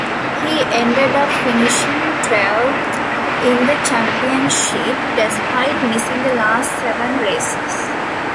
He ended up finishing twelfth in the championship despite missing the last seven races.